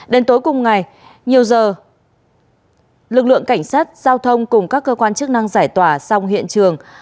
đến tối cùng ngày nhiều giờ lực lượng cảnh sát giao thông cùng các cơ quan chức năng giải tỏa xong hiện trường